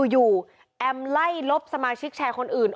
แอมไล่ลบสมาชิกแชร์คนอื่น